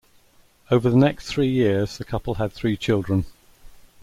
Over the next three years, the couple had three children.